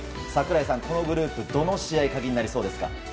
櫻井さん、このグループどの試合が鍵になりそうですか？